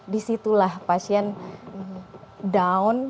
disitulah pasien down